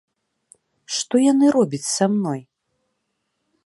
Што яны робяць са мной?